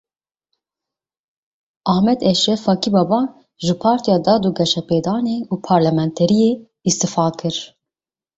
Ahmet Eşref Fakibaba ji Partiya Dad û Geşepêdanê û parlamenteriyê îstifa kir.